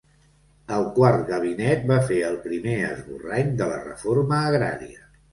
El Quart Gabinet va fer el primer esborrany de la reforma agrària.